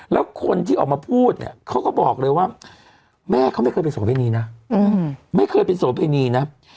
แล้วคนที่ออกมาพูดเขาก็บอกเลยว่าแม่เขาไม่เคยเป็นโสเพณีนะ